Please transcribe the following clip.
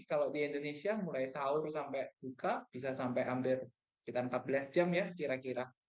kalau di indonesia mulai sahur sampai buka bisa sampai ambil sekitar empat belas jam ya kira kira